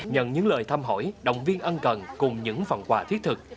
nhận những lời thăm hỏi động viên ân cần cùng những phần quà thiết thực